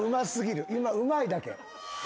今うまいだけ。